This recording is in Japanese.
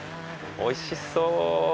おいしそう！